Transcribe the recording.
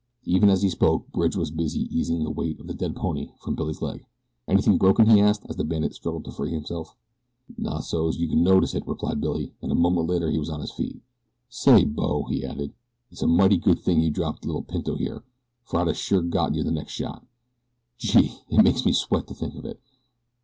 Even as he spoke Bridge was busy easing the weight of the dead pony from Billy's leg. "Anything broken?" he asked as the bandit struggled to free himself. "Not so you could notice it," replied Billy, and a moment later he was on his feet. "Say, bo," he added, "it's a mighty good thing you dropped little pinto here, for I'd a sure got you my next shot. Gee! it makes me sweat to think of it.